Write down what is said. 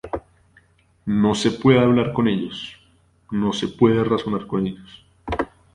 No se puede hablar con ellos, no se puede razonar con ellos.